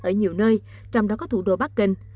ở nhiều nơi trong đó có thủ đô bắc kinh